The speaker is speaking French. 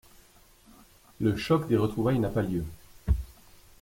Le choc des retrouvailles n'a pas lieu.